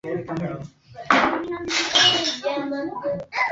akionya mgawanyiko wakati huu utawapa fursa korea kaskazini